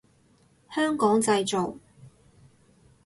香港製造